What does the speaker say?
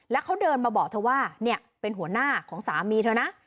แล้วเขาเดินมาบอกเธอว่าเนี่ยเป็นหัวหน้าของสามีเธอนะ